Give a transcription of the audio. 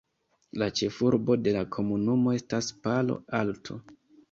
La ĉefurbo de la komunumo estas Palo Alto.